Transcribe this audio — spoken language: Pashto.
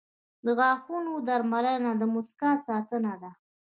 • د غاښونو درملنه د مسکا ساتنه ده.